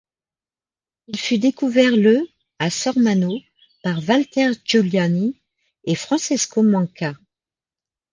Il fut découvert le à Sormano par Valter Giuliani et Francesco Manca.